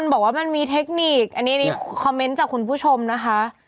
บอกว่ามันมีเทคนิคอันนี้คอมเมนต์จากคุณผู้ชมนะคะ